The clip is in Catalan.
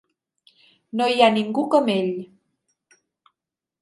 No hi ha ningú com ell.